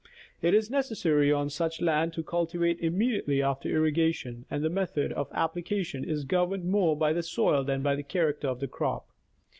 It is necessary on such land to cultivate immediately after irrigation, and the method of applica tion is governed more by the soil than by the character of the crop.